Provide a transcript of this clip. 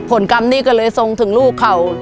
ผลกรรมนี้ก็เลยทรงถึงลูกเขา